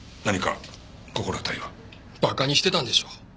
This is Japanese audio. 馬鹿にしてたんでしょう